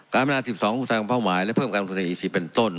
การประมาณ๑๒ภูมิภาคของเฝ้าหมายและเพิ่มการลงทุนในอีก๔เป็นต้น